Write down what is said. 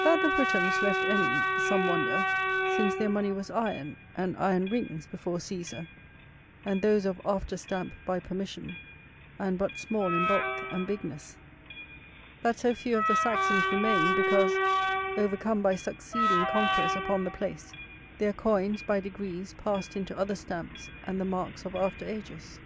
That the Britons left any, some wonder, since their money was iron and iron rings before Cæsar; and those of after stamp by permission, and but small in bulk and bigness. That so few of the Saxons remain, because, overcome by succeeding conquerors upon the place, their coins, by degrees, passed into other stamps and the marks of after ages.